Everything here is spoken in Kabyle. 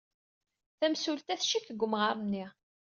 Tamsulta tcikk deg umɣar-nni.